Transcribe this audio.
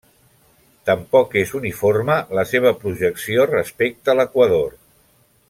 Tampoc és uniforme la seva projecció respecte a l'equador.